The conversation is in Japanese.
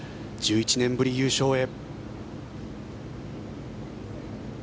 １１年ぶりの優勝へ。